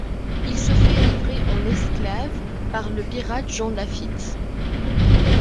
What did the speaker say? Il se fait livrer en esclaves par le pirate Jean Lafitte.